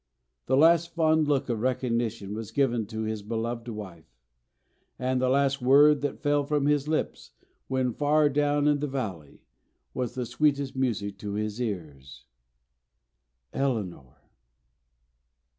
The last fond look of recognition was given to his beloved wife, and the last word that fell from his lips, when far down in the valley, was the sweetest music to his ears 'Eleanor.'